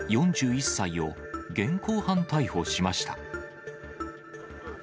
４１歳を、現行犯逮捕しました。